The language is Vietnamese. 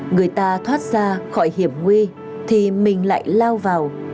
người ta thoát ra khỏi hiểm nguy thì mình lại lao vào